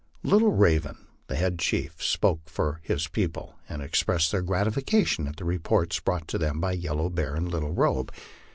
Little Raven, the head chief, spoke for his people, and expressed their gratification at the reports brought to them by Yellow Bear and Little Robe.